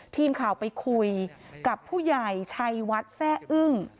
ทีมข่าวไปคุยกับผู้ใหญ่ชัยวัดแซ่อึ้ง